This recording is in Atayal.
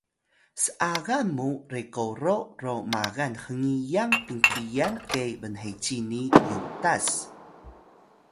s’agal mu rekoro ro magal hngiyang pinqiyan ke bnheci ni yutas